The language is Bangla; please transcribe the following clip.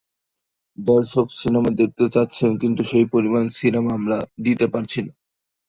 দর্শক সিনেমা দেখতে চাচ্ছেন কিন্তু সেই পরিমাণ সিনেমা আমরা দিতে পারছি না।